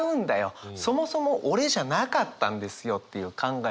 そもそも俺じゃなかったんですよっていう考え